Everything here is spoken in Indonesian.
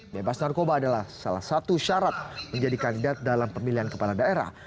bebas narkoba adalah salah satu syarat menjadi kandidat dalam pemilihan kepala daerah